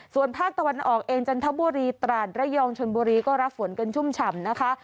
ส่วนภาคตะวันออกเองจันทบุรีตราดระยองชนบุรีก็รับฝนกันชุ่มฉ่ำนะคะ